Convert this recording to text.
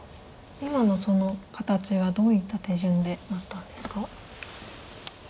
今のその形はどういった手順でなったんですか？